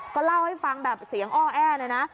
ก็เล่าให้ฟังแบบเสียงอ้อแอเลยนะ